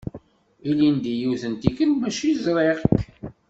Ilindi yiwet n tikelt mačči ẓriɣ-k.